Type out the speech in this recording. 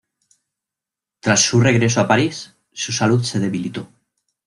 Tras su regreso a París, su salud se debilitó.